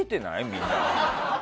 みんな。